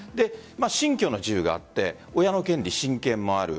信教の自由があって親の権利、親権もある。